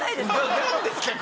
何ですか？